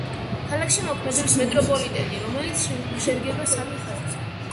ქალაქში მოქმედებს მეტროპოლიტენი, რომელიც შედგება სამი ხაზისაგან.